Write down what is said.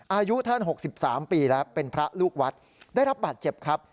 อายุท่าน๖๓ปีแล้วเป็นพระลูกวัดได้รับบาดเจ็บครับ